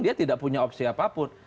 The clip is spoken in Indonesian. dia tidak punya opsi apapun